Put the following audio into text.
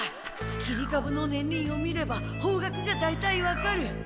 切りかぶの年輪を見れば方角が大体わかる。